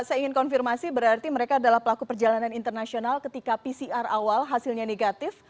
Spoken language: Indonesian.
saya ingin konfirmasi berarti mereka adalah pelaku perjalanan internasional ketika pcr awal hasilnya negatif